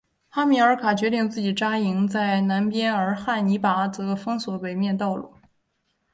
哈米尔卡决定自己扎营在南边而汉尼拔则封锁北面道路。